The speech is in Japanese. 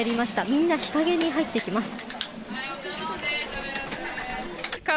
みんな日陰に入ってきます。